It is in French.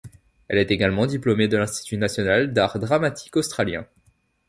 Elle est également diplômée de l'Institut national d'art dramatique australien.